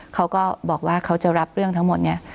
เขาก็บอกว่าเขาจะรับเรื่องทั้งหมดเนี่ย